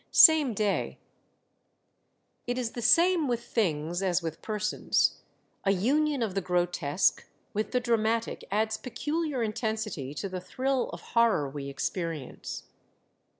Same day. — It is the same with things as with persons ; a union of the grotesque with the dramatic adds peculiar intensity to the thrill of horror we experience.